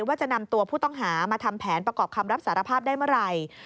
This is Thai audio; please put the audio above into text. ว่าจะนำตัวผู้ต้องหามาทำแผนประกอบคำรับสารภาพได้เมื่อไหร่